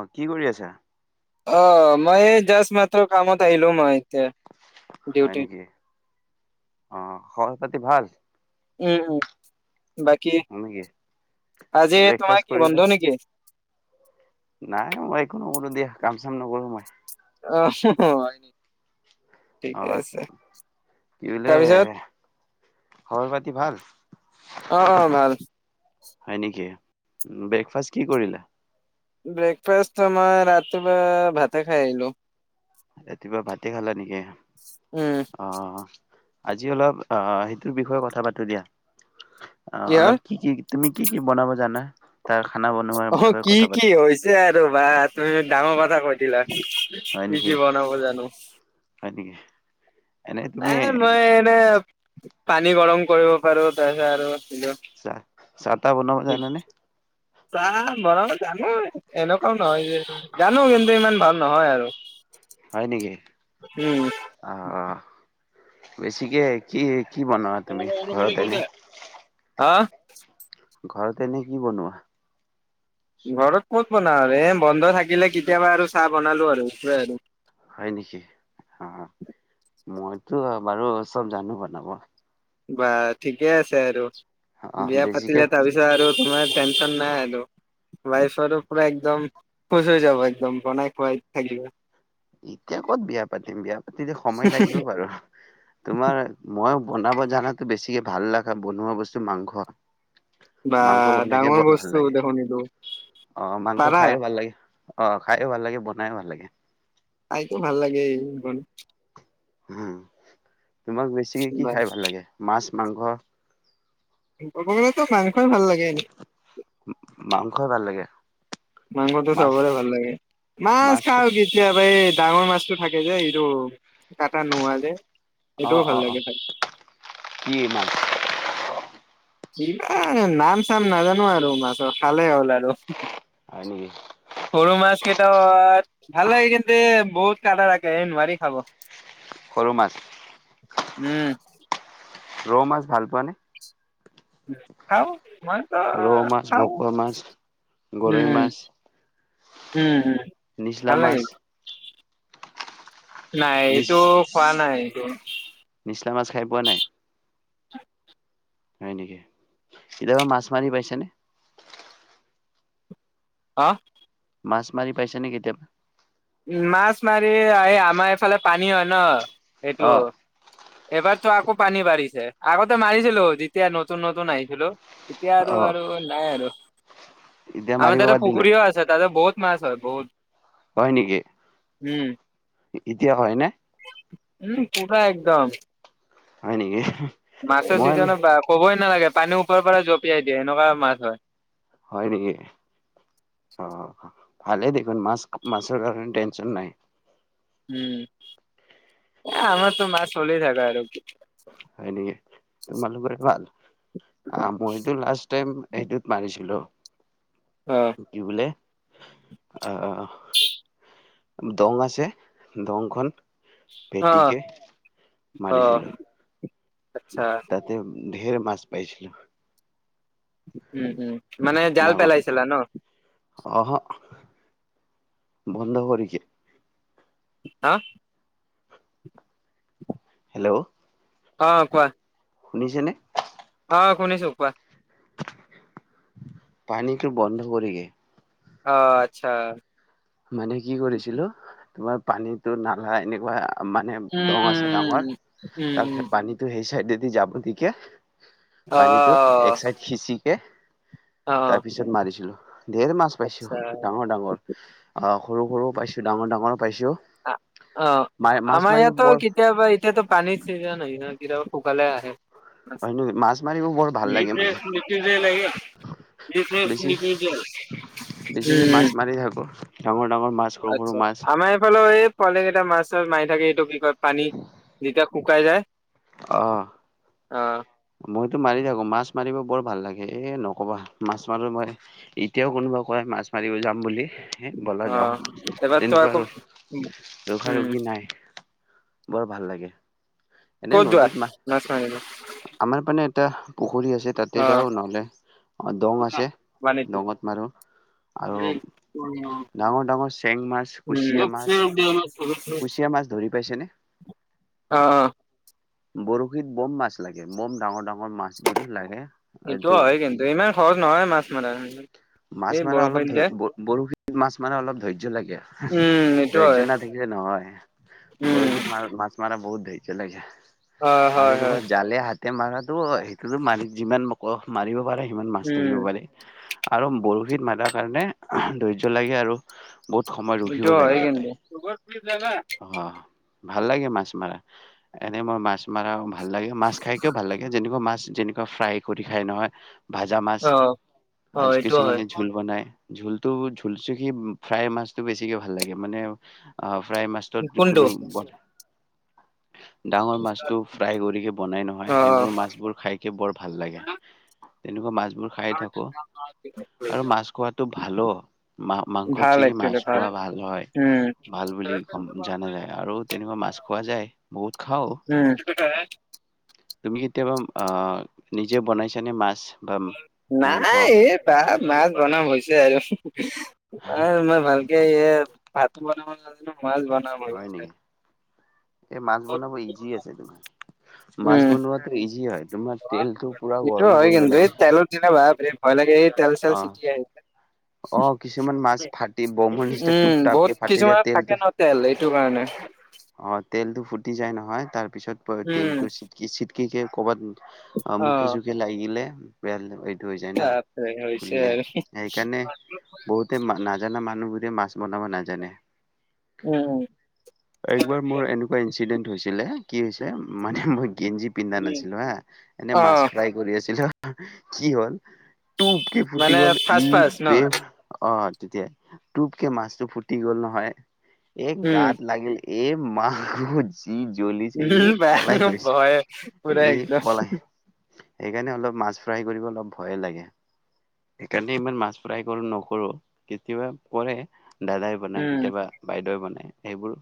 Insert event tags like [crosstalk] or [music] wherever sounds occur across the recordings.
অ' কি কৰি আছা? অ' মই জাষ্ট মাত্ৰ কামত আহিলোঁ মই এতিয়া। হয় ডিউটিত নেকি? অ' খবৰ পাতি ভাল? উম, উম। বাকী, হয় নেকি আজি তোমাৰ ব্ৰেকফাষ্ট কি কৰিলে বন্ধ নেকি? নাই মই একো নকৰোঁ দিয়া, কাম চাম নকৰোঁ মই। অ' হয় নি। অ ঠিকে আছে। কি বোলে তাৰপিছত খবৰ পাতি ভাল? অ অ ভাল হয় নেকি? ব্ৰেকফাষ্ট কি কৰিলা? ব্ৰেকফাষ্ট তোমাৰ ৰাতিপুৱা ভাতে খাই আহিলোঁ। ৰাতিপুৱা ভাতে খালা নেকি? উম অ' আজি অলপ অ' সেইটোৰ বিষয়ে কথা পাতোঁ দিয়া। অ' কিহৰ অলপ কি কি, তুমি কি কি বনাব জানা তাৰ খানা বনোৱাৰ বিষয়ে কথা পাতিম। তে আৰু বা তুমি ডাঙৰ কথা কৈ দিলা, হয় কি নেকি কি বনাব জানো। হয় নেকি? এনে এ, তুমি মই এনে পানী গৰম কৰিব পাৰোঁ তাৰপিছত আৰু [unintelligible] চাহ, চাহ টাহ বনাব জানানে? চাহ বনাব জানো, এনেকুৱাও নহয় যে [unintelligible] জানো কিন্তু ইমান ভাল নহয় আৰু। হয় নেকি? উম, অ' বেছিকে কি কি বনোৱা, তুমি ঘৰত এনে? হা,? ঘৰত এনেই কি বনোৱা? ঘৰত ক'ত বনাওঁ আৰু এ, বন্ধ থাকিলে কেতিয়াবা আৰু চাহ বনালো আৰু সেটোৱে আৰু। হয় নেকি, অ, মইতো বাৰু চব জানো বনাব। বা ঠিকে আছে, আৰু অ বিয়া বেছিকে পাতিলে তাৰ পিছত আৰু তোমাৰ টেনশ্যন নাই আৰু। ৱাইফৰ পৰা, একদম খুচ হৈ যাব, একদম বনাই খোৱাই থাকিলে। এতিয়া ক'ত বিয়া পাতিম, বিয়া পাতিলে সময় লাগিব বাৰু তোমাৰ মই বনাব জানাতো, বেছিকে ভাল লগা বনোৱা বস্তু মাংস। বা মাংস বনাইকে ডাঙৰ বৰ ভাল বস্তু লাগে। দেখোন এইটো অ, মাংস পাৰা খাইয়ো ভাল লাগে। অ, খাইয়ো ভাল লাগে, বনায়ো ভাল লাগে। খাইতো ভাল লাগেই, বন উম, তোমাক বেছিকে কি খাই ভাল লাগে, মাছ-মাংস? ক'বলে গ'লেতো মাংসই ভাল লাগে, এনে। মাংসই ভাল লাগে। মাংসটো মাছ চবৰে ভাল লাগে, মাছ মাছটো খাওঁ কি? কেতিয়াবা এই ডাঙৰ মাছতটো থাকে যে, এইটো কাটা নোহোৱা যে। অ, সেইটোও ভাল অ, অ, লাগে খাই। কিমান? এই, নাম- চাম নাজানো আৰু মাছৰ খালে হ'ল আৰু। হয় নেকি? সৰু মাছ কেইটাত, ভাল লাগে। কিন্তু বহুত কাটা থাকে এই নোৱাৰি খাব। সৰু, মাছ উম, ৰৌ, মাছ ভাল পোৱা নে? খাওঁ, মই। ৰৌ মাছ, ভকুৱা মাছ, গৰৈ উম মাছ। উম, উম, নিচলা ভাল লাগে। মাছ নাই, এইটো খোৱা নাই, এইটো মাচা মাছ, খাই পোৱা নাই? হয় নেকি, কেতিয়াবা মাছ মাৰি পাইছে নে? হা,? মাছ মাৰি পাইছে নে, কেতিয়াবা? উম, মাছ মাৰি, এই আমাৰ এইফালে পানী হয় ন, এইটো অ', এইবাৰতো আকৌ পানী বাঢ়িছে, আগতে মাৰিছিলো যেতিয়া নতুন, নতুন আহিছিলো। এতিয়া আৰু, অ', আৰু নাই আৰু এতিয়া আমাৰ মাৰিব তাতে বাদ দিলে? পুখুৰীও আছে তাতে বহুত মাছ হয়, বহুত। হয় নেকি? উম, এতিয়া হয় নে? উম, পুৰা একদম। হয়, নেকি? মাছৰ মই ছিজনত বা ক'বই নালাগে, পানীৰ ওপৰৰ পৰা জঁপিয়াই দিয়ে এনেকুৱা মাছ হয়। হয় নেকি অ, ভালেই দেখোন। মাছ-মাছৰ কাৰণে টেনচন নাই। উম, আমাৰতো মাছ চলিয়ে থাকে আৰু। হয় নেকি? তোমালোকৰে ভাল, আ মইতো লাষ্ট টাইম সেইটোত মাৰিছিলো। অ। কি বোলে, আ আ আ দং আছে, দংখন অ, ভেটিকে অ, মাৰিছিলোঁ। আচ্ছা। তাতে ঢেৰ মাছ পাইছিলো। উম উম মানে জাল ডাঙৰ পেলাইছিলা ন? অহ, বন্ধ কৰিকে। হা? হেল্ল'? অঁ কোৱা? শুনিছেনে? অ শুনিছোঁ, কোৱা? পানীটো বন্ধ কৰি গে। অ আচ্ছা। মানে কি কৰিছিলো? তোমাৰ পানীতো নালা এনেকুৱা অ মানে দং আছে ডাঙৰ উম। উম, তাক উম, সেই পানীটো সেই চাইডেদি যাব দিকে পানীটো অ', এক চাইড সিচিকে তাৰ অ', পিছত মাৰিছিলো, ধেৰ মাছ পাইছো আচ্ছা ডাঙৰ - ডাঙৰ। অ সৰু - সৰু পাইছোঁ, ডাঙৰ - ডাঙৰ পাইছোঁ। আ অ, আমাৰ ইয়াতো কেতিয়াবা তিয়া ত পানীৰ চিজান হয় ন কেতিয়াবা শুকালে আহে। হয় নি, মাছ মাৰিবও বৰ ভাল লাগে মানে। [unintelligible] বেছি বেছিকে মাছ উম। মাৰি থাকোঁ। ডাঙৰ - ডাঙৰ মাছ সৰু সৰু আচ্ছা, মাছ আমাৰ এইফালেও এ পোৱালীকেইটা মাছ- চাছ মাৰি থাকে এইটো কি কয় পানী যেতিয়া শুকাই যায়। অ। অ। মইতো মাৰি থাকো, মাছ মাৰিব বৰ ভাল লাগে, এ নকবা মাছ মাৰো মই। এতিয়াও কোনোবা কয় মাছ মাৰিব যাম বুলি হে বলা যাওঁ অ', এইবাৰ তো তেনেকুৱা আকৌ ৰ ৰখা উম, ৰখি নাই। বৰ ভাল লাগে। এনে ক'ত যোৱা? নদীত মা মাছ মাৰিব। আমাৰ পানে এটা পুখুৰী আছে। তাতে অ', যাওঁ নহ'লে অ দং আছে, বানীটো দঙত মাৰোঁ আৰু [inaudible] ডাঙৰ ডাঙৰ চেং মাছ, কুচিয়া মাছ [unintelligible] কুচিয়া মাছ ধৰি পাইছেনে? অ', অ', বৰশীত বম মাছ লাগে, বম ডাঙৰ ডাঙৰ মাছবোৰো লাগে এইটো হয় কি কিন্তু ইমান সহজ নহয় মাছ মৰা মাছ এই মৰা অলপ বৰষুণ ধ যে ব বৰশীত মাছ মৰা অলপ ধৈৰ্য্য লাগে আৰু। উম, এইটো ধৈৰ্য্য হয় নাথাকিলে নহয় উম, বৰীশী মানে মাছ মৰা বহুত ধৈয্য লাগে অ', হয়, আৰু হয় তোমাৰ জালে হাত হাতে মাৰাটো সেইটোতো মাৰি যিমান মাৰিব পাৰে সিমান মাছ উম, ধৰিব পাৰে আৰু বৰশীত মাৰাৰ কাৰণে আহ ধৈৰ্য লাগে আৰু বহুত সময় ৰখিব এইটো হয় লাগে কিন্তু এটাই [unintelligible] অ ভাল লাগে মাছ মৰা এনেই মই মাছ মাৰা ভাল লাগে মাছ খাইকেও ভাল লাগে যেনেকুৱা মাছ যেনেকুৱা ফ্ৰাই কৰি খাই নহয় ভাজা মাছ অ', অ', আৰু এইটো হয় কিছুমানে জোল বনাই জোলটো জোলচেকি ফ্ৰাই মাছটো বেছিকে ভাল লাগে মানে অ ফ্ৰাই মাছ তত য কোনটো কোনো অ', বত ডাঙৰ মাছটো ফ্ৰাই কৰিকে বনাই নহয় অ সেইবোৰ মাছবোৰ খাই বৰ ভাল লাগে তেনেকুৱা মাছবোৰ খাই থাকো আৰু মাছ খোৱাটো ভালো মা মাংস ভাল থাকি মাছ একচুৱেলি খোৱা ভাল হয় উম, ভাল বুলি কম নাযায় আৰু তেনেকুৱা মাছ খোৱা যায় বহুত খাও উম [unintelligible] তুমি কেতিয়াবা আ নিজে বনাইছানে মাছ বা মাংস নাই এই বা মাছ বনাম হৈছে আৰু এ মই ভালকে এ ভাত বনাব নাজানো মাছ বনা হয় নেকি এই মাছ বনাব ইজি আছেতো মাছ উম বনোৱা ইজি হয় তোমাৰ তেলটো [unintelligible] পুৰা সেইটো গৰম হয় কৰিব কিন্তু এই লাগে। তেলত দিলে বাপৰে বৰ ভয় লাগে এই তেল চেল অ', চিটিয়াই অ', কিছুমান মাছ ফাটি বমৰ নিচিনা টোপ উম টাপকে বহুত ফাটি যায় কিছুমানে তেলটো থাকে ন তেল এইটো কাৰণে অ তেলটো ফুটি যায় নহয় তাৰ পিছত উম তেলটো চিটকি চিটকে ক'বাত অ মুখে চুখে লাগিলে বেয়া এইটো হৈ যায় ন বাপৰে হৈছে ফুলি যায় আৰু সেইকাৰণে বহুতে নাজানা মানুহ বোৰে মাছ বনাব নাজানে উম উম একবাৰ মোৰ এনেকুৱা একচিদেণ্ট হৈছিলে কি হৈছে মানে মই গেঞ্জি পিন্ধা উম। নাছিলো হা এনে অ মাছ ফ্ৰাই কৰি আছিলো কি হল তুপকে ফুটি মানে গল ই ফাৰ্ষ্ট ফাৰ্ষ্ট ন এ অ তেতিয়াই টোপকে মাছটো ফুটি গ'ল নহয় এই উম গাত লাগিল এই মাহ যি জ্বলিছে উম এই বা পলাই ফুৰিছে ভয় পুৰা এ একদম পলাই সেইকাৰণে অলপ মাছ ফ্ৰাই কৰিব অলপ ভয়ে লাগে সেইকাৰণে ইমান মাছ ফ্ৰাই কৰো নকৰো কেতিয়াবা কৰে দাদাই বনাই উম। কেতিয়াবা বাইদেৱে বনাই সেইবোৰ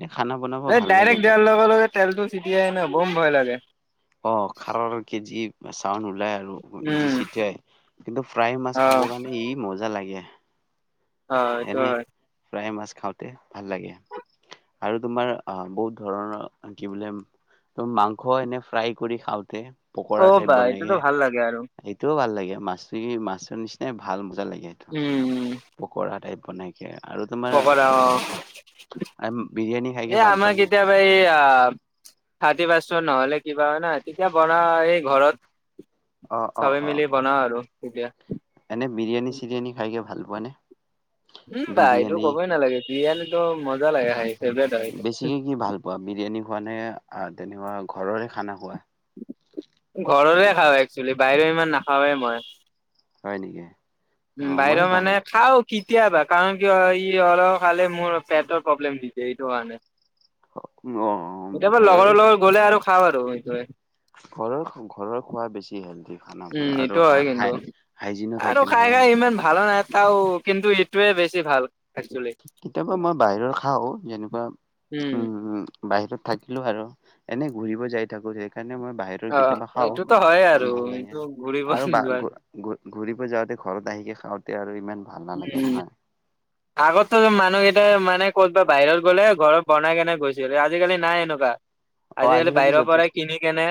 এনেই খানা বনাব ভাল লাগে মোক তেলতো ছিটিয়াই ন বোম ভয় লাগে অ খাৰৰ যি চাউন ওলাই আৰু যি উম চিটিয়াই কিন্তু ফ্ৰাই মাছ অ খাবৰ কাৰণে ই মজা লাগে অ সেইটো এনে হয় ফ্ৰাই মাছ খাওঁতে ভাল লাগে আৰু তোমাৰ আহ বহুত ধৰণৰ কি বোলে ত মাংস এনে ফ্ৰাই কৰি খাওঁতে অ' বাই এইটো ভাল লাগে আৰু। এইটোও ভাল লাগে মাছটো মাছৰ নিচিনাই ভাল মজা লাগে সেইটো। উম। কৰায় টাইপ বনাই আৰু তোমাৰ, পকৰা অ বিৰিয়ানী খাইকে ভাল পোৱা নেকি? এইয়া, থাৰ্টি পাচেন্ট নহ'লে- কিবা হয় নাই তেতিয়া বনাই এই ঘৰত, অ', অ', চবে অ'। মিলি বনাও আৰু তেতিয়া। এনে বিৰিয়ানী চিৰিয়ানী খাইকে ভাল পোৱা নে? উম বা এইটো বিৰিয়ানী ক'বই নালাগে বিৰিয়ানীটো মজা লাগে খাই। ফেভৰেট হয় এইটো। বেছিকে কি ভাল পোৱা বিৰিয়ানী খোৱা নে তেনেকুৱা ঘৰৰে খানা খোৱা? নে ঘৰৰে কি? খাওঁ একচোৱেলি বাহিৰে ইমান নাখওঁয়ে মই। হয় নেকি। উম অ', মই বাহিৰৰ ভাল মানে খাওঁ। কেতিয়াবা কাৰণ কি হয় অলপ খালেই মোৰ পেটৰ প্ৰব্লেম দিছে এইটো কাৰণে। অ', কেতিয়াবা ঘৰৰে লগৰ লগত গ'লে আৰু খাওঁ আৰু সেইটোৱে। ঘৰৰ ঘৰৰ খোৱা বেছি হেলডি। উম এইটো হয় কিন্তু, আৰু থাকে খাই নহয়। খাই ইমান ভাল নাই তাও- কিন্তু এইটোৱে বেছি ভাল একচেলি। কেতিয়াবা মই বাহিৰৰ খাওঁ যেনেকুৱা, উম উম। বাহিৰত থাকিলো আৰু এনে ঘুৰিব যাই থাকো সেইকাৰণে মই বাহিৰত- অ কেতিয়াবা খাওঁ এইটোতো হয় আৰু ভাল লাগে, এইটো ঘূৰিব আৰু বা যোৱাত ঘূৰিব যাওঁতে ঘৰত আহিকে খাওঁতে আৰু ইমান- ভাল নালাগে উম। [inaudible] আগতো মানুহকেইটাই মানে ক'তবাত বাহিৰত গ'লে ঘৰত বনাই কেনে গৈছিল আজিকালি নাই এনেকুৱা। অ', আজিকালি বাহিৰৰ য'তে পৰাই কিনি কেনে-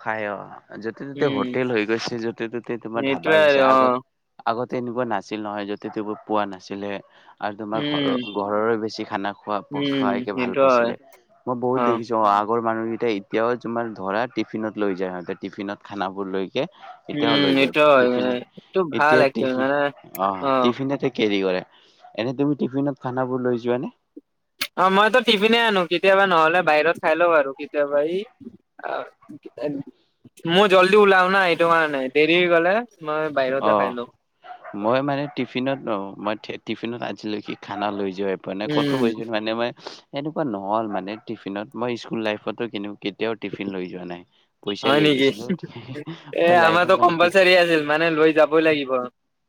খাই অ য'তে ততে উম হোটেল হৈ গৈছে য'তে ত'তে তোমাৰ ধাবা সেইটোৱে আৰু হৈছে অ আগত- আগতে এনেকুৱা নাছিল নহয় যতে ততে পোৱা নাছিলে। আৰু তোমাৰ ঘৰৰ উম ঘৰৰে বেছি খানা খোৱা উম খোৱাইকে ভাল সেইটো হয় পাইছিলে। মই বহু অ দেখিছো। আগৰ মানুহকেইটা এতিয়াও তোমাৰ ধৰা টিফিনত লৈ যায় সিহঁতে টিফিন খানাবোৰ লৈ- এতিয়াও লৈ উম যায় এইটো হয় টিফিন। এইটো ভাল এতিয়া একচুৱেলি টিফিন, মানে অ টিফিনতে কেৰি কৰে। এনে তুমি টিফিনত খানাবোৰ লৈ যোৱা নে? অ মইতো টিফিনে আনো কেতিয়াবা নহলে বাহিৰত খাই লও আৰু কেতিয়াবা ই। মোৰ জলদি ওলাও ন এইটো কাৰণে দেৰি হৈ গ'লে। মই বাহিৰতে অ খাই লও। মই মানে টিফিনত ন মই টিফিনত আজিলৈকে খানা লৈ যোৱা- মানে ক'তো উম, গৈছিল মানে মই এনেকুৱা নহ'ল মানে টিফিনত মই স্কুল লাইফতো কিন্তু - কেতিয়াও টিফিন লৈ যোৱা নাই পইচাই হয় লৈ নেকি? গৈছিলো এ মই লাইফত মানে- নিবয়ে লাগিব।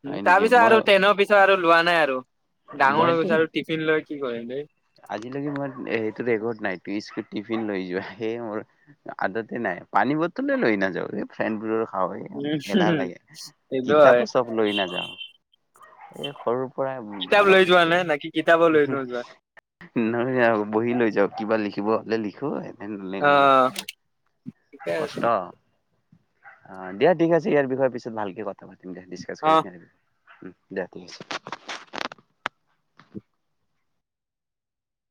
উম হয় তাৰ নেকি পিছত মই আৰু ট্ৰেনৰ পিছত আৰু লোৱা নাই আৰু, ডাঙৰৰ হৈ মইতো গৈছো আৰু টিফিন লৈ কি কৰিম দেই। আজিলৈকে মই সেইটো ৰেকৰ্ড নাই টিফিন লৈ যোৱা সেয়ে মোৰ- আদাতে নাই পানী বটলে লৈ নাযাওঁ এই ফ্ৰেণ্ডবোৰৰ খাওঁ উম, এলাহ লাগে। সেইটো হয়। কিতাপো চব লৈ নাযাওঁ, এই সৰু- কিতাপ লৈ যোৱা নাই নে কি কিতাপো লৈ নোযোৱা? নাই আৰু বহি লৈ যাওঁ, কিবা লিখিব হ'লে লিখো এনে নিলিখোঁ, অ', ঠিকে আছে। কষ্ট! অ' দিয়া ঠিক আছে ইয়াৰ বিষয়ে পিছত ভালকে কথা পাতিম দিয়া, ডিচকাছ অ'। কৰিম দিয়া। উম দিয়া ঠিক আছে।